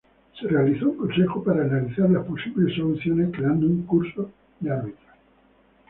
Se realizó un consejo para analizar las posibles soluciones, creando un curso de árbitros.